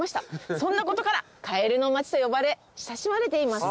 「そんなことから『カエルの街』と呼ばれ親しまれています」